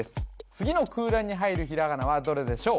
次の空欄に入るひらがなはどれでしょう？